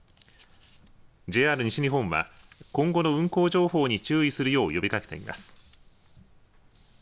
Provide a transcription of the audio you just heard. ＪＲ西日本は今後の運行情報に注意するよう呼びかけています。